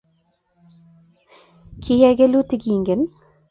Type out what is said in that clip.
Kiyai kalelutik ingen?